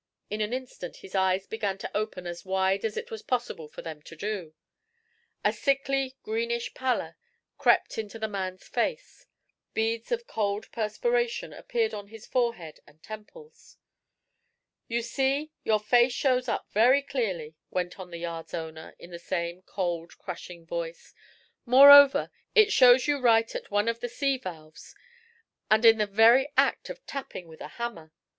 In an instant his eyes began to open as wide as it was possible for them to do. A sickly, greenish pallor crept into the man's face. Beads of cold perspiration appeared on his forehead and temples. "You see, your face shows up very clearly," went on the yard's owner, in the same cold, crushing voice. "Moreover, it shows you right at one of the sea valves, and in the very act of tapping with a hammer.